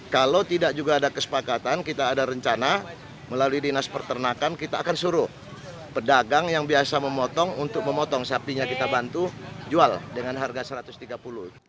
kalau tidak juga ada kesepakatan kita ada rencana melalui dinas pertanakan kita akan suruh pedagang yang biasa memotong untuk memotong sapinya kita bantu jual dengan harga rp satu ratus tiga puluh